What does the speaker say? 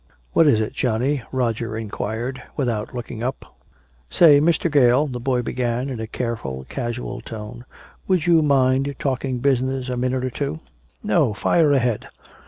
"What is it, Johnny?" Roger inquired, without looking up. "Say, Mr. Gale," the boy began, in a carefully casual tone, "would you mind talking business a minute or two?" "No. Fire ahead."